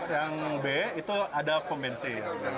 yang b itu ada kompensi